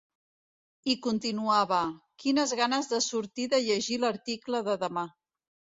I continuava: Quines ganes de sortir de llegir l’article de demà.